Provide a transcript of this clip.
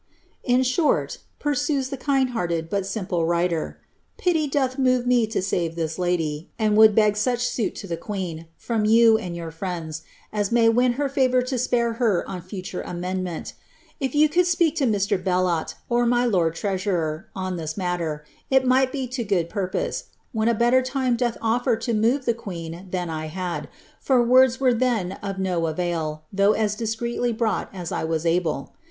'"^ In short," pursues the kind hearted but simple writer, ^^ pity doth move me to save this lady, and would beg such suit to the queen, from you and your friends, as may win her favour to spare her on future amendmenL If you could speak to Mr. Bellot, or my lord treasurer, on this matter, it might be to good purpose, when a better time doth ofler to move the queen than I had, for words were then of no avail, though as discreetly brought as I was able.